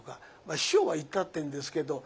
師匠は言ったってんですけどまあ